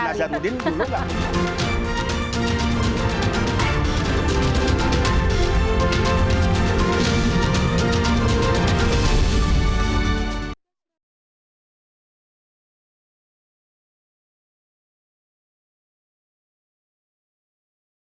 masih akan kembali sesaat lagi